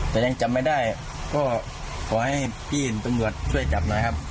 แต่ยังจำไม่ได้ก็ขอให้พี่ตำรวจช่วยจับหน่อยครับ